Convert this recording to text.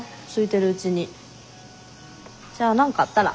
じゃ何かあったら。